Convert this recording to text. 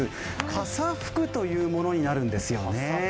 傘福というものになるんですよね。